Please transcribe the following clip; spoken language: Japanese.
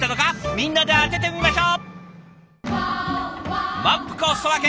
みんなで当ててみましょう！